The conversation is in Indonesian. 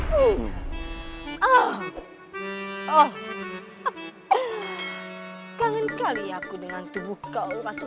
jangan kali aku dengan tubuh kau ratuan cinta